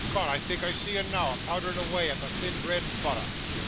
'Cod, I think I see 'un now, a powderin' awa' at the thin bread an' butther!